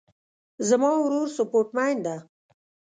زما ورور سپورټ مین ده